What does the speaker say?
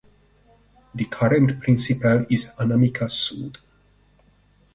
The current principal is Anamika Sood.